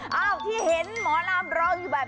มอลำคลายเสียงมาแล้วมอลำคลายเสียงมาแล้ว